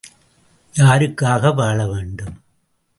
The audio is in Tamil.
யாருக்காக வாழ வேண்டும்?